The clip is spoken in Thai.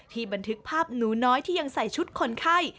บันทึกภาพหนูน้อยที่ยังใส่ชุดคนไข้